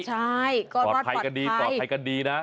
ใช่ก็ปลอดภัยกันดีปลอดภัยกันดีนะ